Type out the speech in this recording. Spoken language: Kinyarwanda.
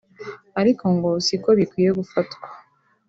ariko ngo siko bikwiye gufatwa